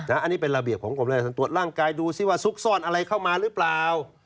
อันนี้เป็นระเบียบของกรมราชธรรมตรวจร่างกายดูซิว่าซุกซ่อนอะไรเข้ามาหรือเปล่า